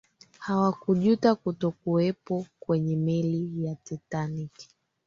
hawakujuta kutokuwepo kwenye meli ya titanic